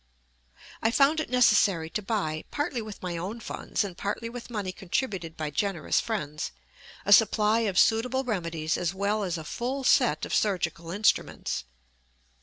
I found it necessary to buy, partly with my own funds and partly with money contributed by generous friends, a supply of suitable remedies as well as a full set of surgical instruments.